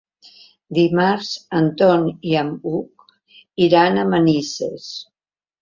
Dimarts en Ton i n'Hug iran a Manises.